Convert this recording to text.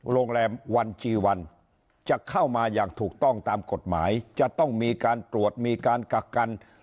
โรงแรมวันจีวันจะเข้ามาอย่างถูกต้องตามกฎหมายจะต้องมีการตรวจมีการกักกัน